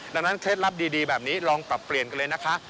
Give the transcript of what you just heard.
ดังนั้นเคล็ดลับดีแบบนี้ลองปรับเปลี่ยนกันเลยนะคะ